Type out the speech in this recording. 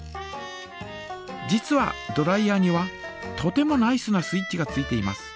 実はドライヤーにはとてもナイスなスイッチがついています。